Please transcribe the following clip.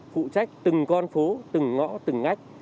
phụ trách từng con phố từng ngõ từng ngách